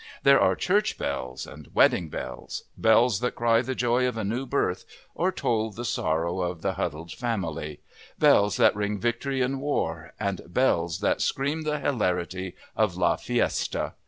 There are church bells and wedding bells, bells that cry the joy of a new birth or toll the sorrow of the huddled family, bells that ring victory in war and bells that scream the hilarity of la fiesta!